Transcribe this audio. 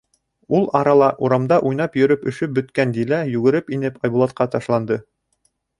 Ул арала урамда уйнап йөрөп өшөп бөткән Дилә, йүгереп инеп, Айбулатҡа ташланды.